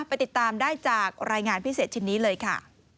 ติดตามได้จากรายงานพิเศษชิ้นนี้เลยค่ะ